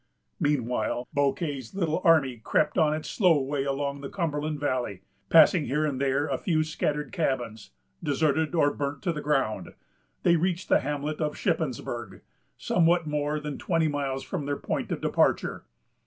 Meanwhile, Bouquet's little army crept on its slow way along the Cumberland valley. Passing here and there a few scattered cabins, deserted or burnt to the ground, they reached the hamlet of Shippensburg, somewhat more than twenty miles from their point of departure.